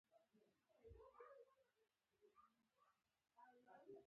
شاوخوا ودانیو ته وګورئ.